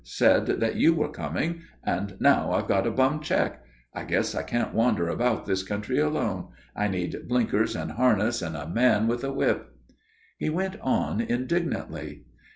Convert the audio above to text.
Said that you were coming. And now I've got a bum cheque. I guess I can't wander about this country alone. I need blinkers and harness and a man with a whip." He went on indignantly.